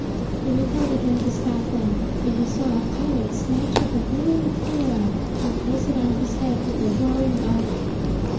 He went out again to stop them. And he saw a pirate snatch up a glittering tiara and place it on his head with a roaring oath.